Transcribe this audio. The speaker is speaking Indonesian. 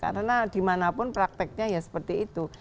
karena dimanapun prakteknya ya seperti itu